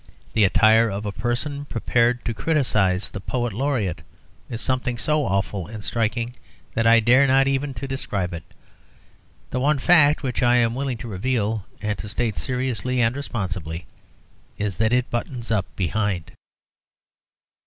The attire of a person prepared to criticise the Poet Laureate is something so awful and striking that I dare not even begin to describe it; the one fact which I am willing to reveal, and to state seriously and responsibly, is that it buttons up behind.